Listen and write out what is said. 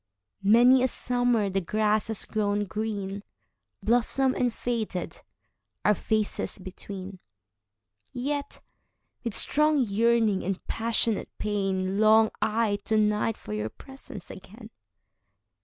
Many a summer the grass has grown green, Blossomed and faded, our faces between:Yet, with strong yearning and passionate pain, Long I to night for your presence again.